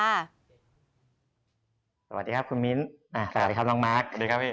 สวัสดีครับคุณมิ้นสวัสดีครับน้องมาร์ค